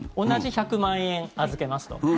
同じ１００万円預けますと。